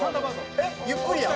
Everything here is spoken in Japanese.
「えっゆっくりやん」